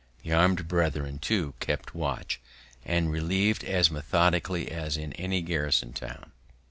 The armed brethren, too, kept watch, and reliev'd as methodically as in any garrison town.